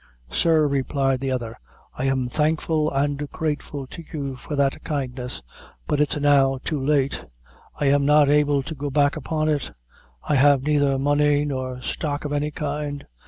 "Sir," replied the other, "I am thankful and grateful to you for that kindness, but it's now too late; I am not able to go back upon it; I have neither money nor stock of any kind.